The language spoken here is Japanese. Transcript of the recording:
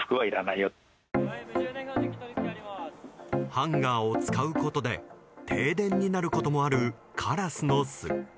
ハンガーを使うことで停電になることもあるカラスの巣。